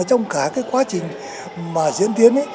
trong cả quá trình diễn tiến